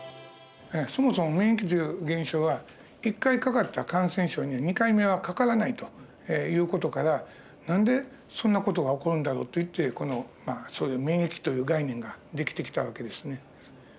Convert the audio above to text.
そもそも免疫という現象は１回かかった感染症には２回目はかからないという事から何でそんな事が起こるんだろうといってこの免疫という概念ができてきた訳ですね。